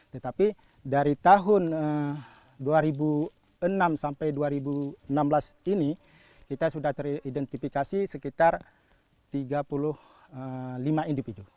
tetapi dari tahun dua ribu enam sampai dua ribu enam belas ini kita sudah teridentifikasi sekitar tiga puluh lima individu